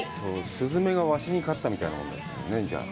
スズメがワシに勝ったみたいだもんね、じゃあ。